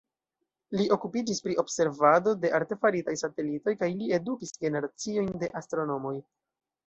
Li okupiĝis pri observado de artefaritaj satelitoj kaj li edukis generaciojn de astronomoj.